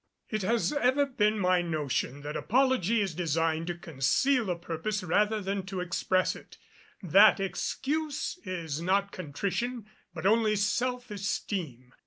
It has ever been my notion that apology is designed to conceal a purpose rather than to express it; that excuse is not contrition but only self esteem.